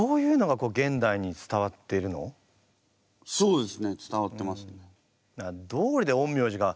そうですね伝わってます。